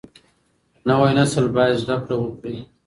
نوی نسل باید زده کړه وکړي.